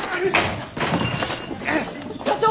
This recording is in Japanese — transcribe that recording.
社長！